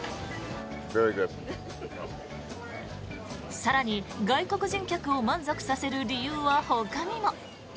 更に外国人客を満足させる理由はほかにも。